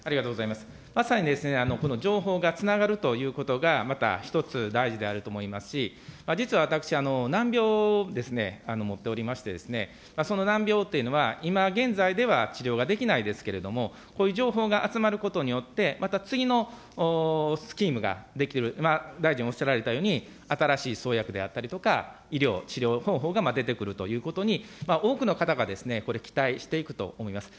まさに、この情報がつながるということが、また一つ、大事であると思いますし、実は私、難病を持っておりましてですね、その難病というのは、今現在では治療ができないですけれども、こういう情報が集まることによって、また次のスキームができる、大臣おっしゃられたように、新しい創薬であったりとか、医療、治療方法が出てくるということに、多くの方がこれ、期待していくと思います。